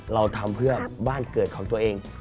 เราทำเพื่อบ้านเกิดของตัวเอง